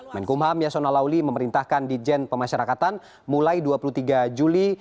menkumham yasona lawli memerintahkan di jen pemasyarakatan mulai dua puluh tiga juli